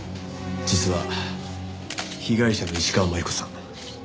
実は被害者の石川真悠子さん